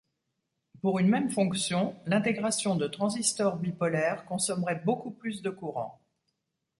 Pour une même fonction, l’intégration de transistors bipolaires consommerait beaucoup plus de courant.